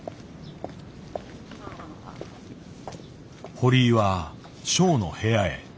堀井はショウの部屋へ。